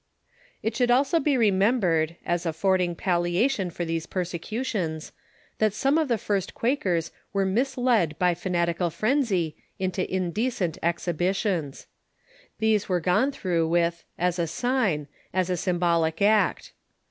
It should also be remembered, as affording palliation for these persecutions, that some of the first Quakers were misled by fanatical frenzy into indecent exhibitions. These were gone through with as a sign, as a symbolic act.